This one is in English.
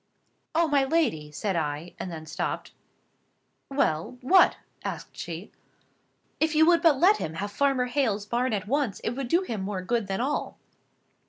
"Oh, my lady!" said I, and then I stopped. "Well. What?" asked she. "If you would but let him have Farmer Hale's barn at once, it would do him more good than all."